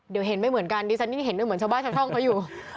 เดี๋ยวเห็นไม่เหมือนกันดิฉันยิ่งเห็นด้วยเหมือนชาวบ้านชาวช่องเขาอยู่